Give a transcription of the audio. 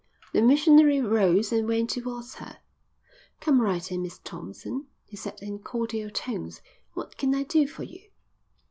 The missionary rose and went towards her. "Come right in, Miss Thompson," he said in cordial tones. "What can I do for you?"